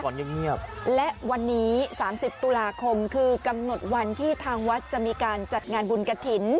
เงียบและวันนี้สามสิบตุลาคมคือกำหนดวันที่ทางวัดจะมีการจัดงานบุญกระถิ่น